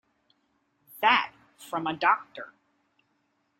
That from a doctor!